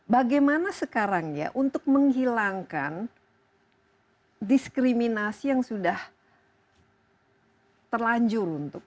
bagaimana sekarang ya untuk menghilangkan diskriminasi yang sudah terlanjur untuk